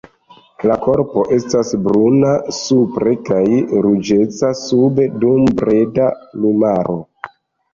La korpo estas bruna supre kaj ruĝeca sube dum breda plumaro.